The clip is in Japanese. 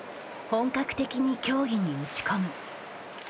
本格的に競技に打ち込む。